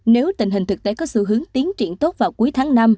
nếu tình hình thực tế có xu hướng tiến triển tốt vào cuối tháng năm